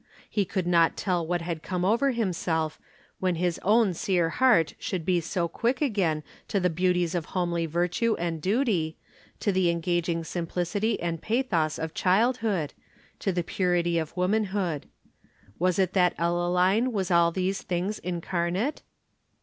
He could not tell what had come over himself, that his own sere heart should be so quick again to the beauties of homely virtue and duty, to the engaging simplicity and pathos of childhood, to the purity of womanhood. Was it that Ellaline was all these things incarnate?